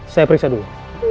saya periksa dulu